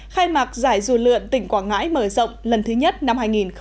khai mạc giải du lượn tỉnh quảng ngãi mở rộng lần thứ nhất năm hai nghìn một mươi chín